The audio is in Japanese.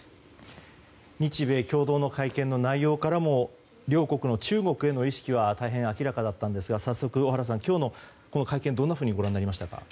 日米共同の会見の内容からも両国の中国への意識は大変明らかだったんですが早速小原さん、今日の会見どんなふうにご覧になりましたか？